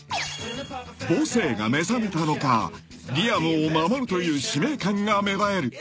［母性が目覚めたのかリアムを守るという使命感が芽生える］